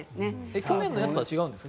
去年のやつとは違うんですか？